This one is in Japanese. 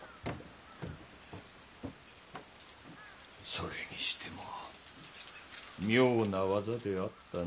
それにしても妙な技であったなあ。